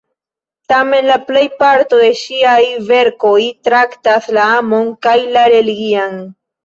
Tamen la plejparto de ŝiaj verkoj traktas la amon kaj la religian.